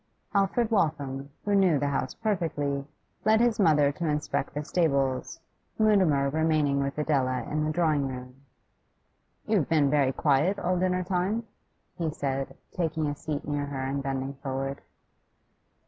Alfred Waltham, who knew the house perfectly, led his mother to inspect the stables, Mutimer remaining with Adela in the drawing room. 'You've been very quiet all dinner time,' he said, taking a seat near her and bending forward.